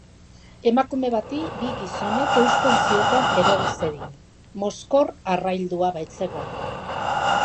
Emakume bati bi gizonek eusten zioten eror ez zedin, mozkor arraildua baitzegoen.